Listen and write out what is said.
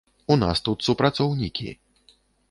У нас тут супрацоўнікі.